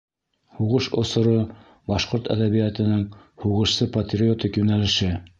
Һуғыш осоро башҡорт әҙәбиәтенең һугышсы-патриотик йүнәлеше.